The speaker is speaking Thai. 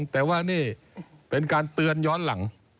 แต่ว่านี่เป็นการเตือนย้อนหลัง